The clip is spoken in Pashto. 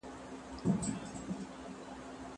هیوادونه خپلې ګټې لټوي.